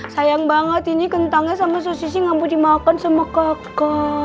sayang banget ini kentangnya sama sosisnya gak mau dimakan sama kakak